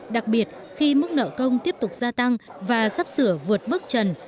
đặc biệt khi mức nợ công tiếp tục gia tăng và sắp sửa vượt mức trần